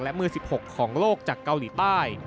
และมือ๑๖ของโลกจากเกาหลีใต้